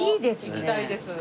いいですね。